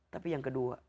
tapi yang kedua